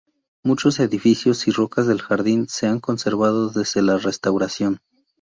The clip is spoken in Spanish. Muchos edificios y rocas del jardín se han conservado desde la restauración.